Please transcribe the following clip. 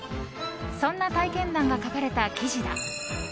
そんな体験談が書かれた記事だ。